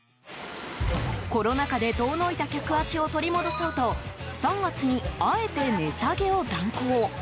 コロナ禍で遠のいた客足を取り戻そうと３月に、あえて値下げを断行。